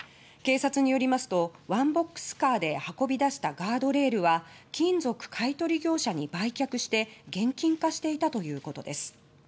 警察によりますとワンボックスカーで運び出したガードレールは金属買取業者に売却して現金化していたということです。